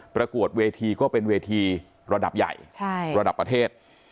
ประกวดเวทีก็เป็นเวทีระดับใหญ่ระดับประเทศ